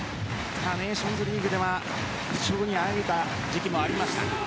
ネーションズリーグでは不調にあえいだ時期もありました。